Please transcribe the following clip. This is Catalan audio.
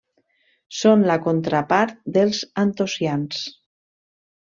Són la contrapart dels antocians.